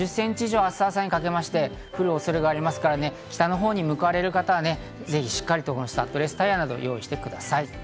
５０ｃｍ以上、明日朝にかけまして降る恐れがありますから北のほうに向かわれる方はしっかりとスタッドレスタイヤなどを用意してください。